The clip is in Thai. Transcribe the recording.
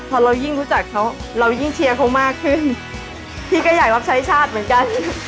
พอเรายิ่งรู้จักเขาเรายิ่งเชียร์เขามากขึ้นพี่ก็อยากรับใช้ชาติเหมือนกัน